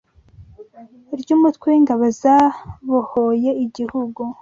ry’umutwe w’ingabo zabohoye igihugu